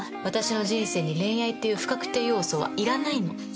「私の人生に恋愛っていう不確定要素はいらないの」